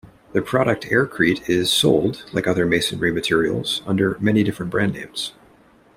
The product aircrete is sold, like other masonry materials, under many different brand names.